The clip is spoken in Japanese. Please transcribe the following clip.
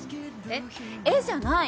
「えっ？」じゃない！